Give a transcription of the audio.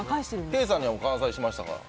ケイさんには完済しましたから。